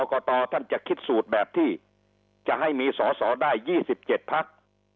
กตท่านจะคิดสูตรแบบที่จะให้มีสอสอได้๒๗พัก